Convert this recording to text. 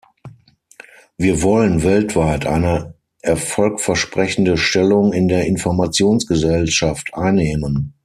Wir wollen weltweit eine Erfolg versprechende Stellung in der Informationsgesellschaft einnehmen.